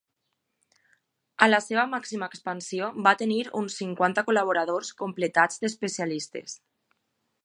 A la seva màxima expansió va tenir uns cinquanta col·laboradors completats d'especialistes.